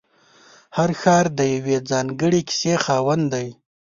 هر ښار د یوې ځانګړې کیسې خاوند دی.